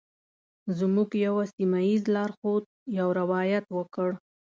زموږ یوه سیمه ایز لارښود یو روایت وکړ.